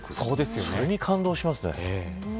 それに感動しますね。